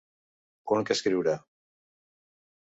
Un que escriurà.